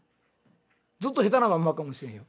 ずっと下手なまんまかもしれんよ。